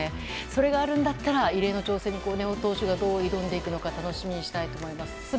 それがあるんだったら異例の挑戦に根尾投手がどう挑んでいくのか楽しみにしたいと思います。